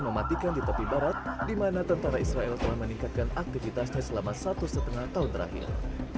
mematikan di tepi barat di mana tentara israel telah meningkatkan aktivitasnya selama satu setengah tahun terakhir